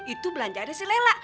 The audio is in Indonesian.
itu belanjaan si lela